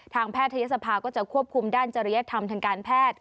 แพทยศภาก็จะควบคุมด้านจริยธรรมทางการแพทย์